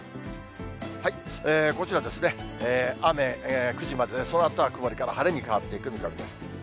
こちら、雨、９時までで、そのあとは曇りから晴れに変わっていく見込みです。